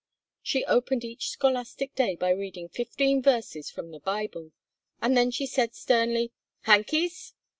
She opened each scholastic day by reading fifteen verses from the Bible, and then she said sternly, "Hankies!"